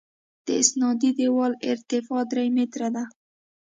د استنادي دیوال ارتفاع درې متره ده